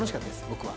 僕は。